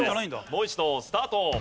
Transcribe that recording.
もう一度スタート。